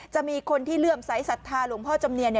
จะมีคนที่เลื่อมสายศรัทธาหลวงพ่อจำเนียน